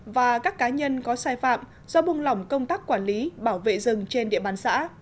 và các cá nhân có sai phạm do bung lỏng công tác quản lý bảo vệ rừng trên địa bàn xã